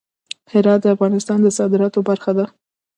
هرات د افغانستان د صادراتو برخه ده.